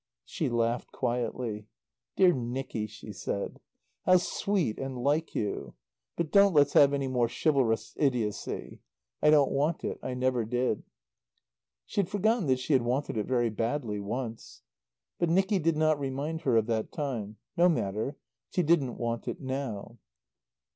She laughed quietly. "Dear Nicky," she said, "how sweet and like you. But don't let's have any more chivalrous idiocy. I don't want it. I never did." (She had forgotten that she had wanted it very badly once. But Nicky did not remind her of that time. No matter. She didn't want it now).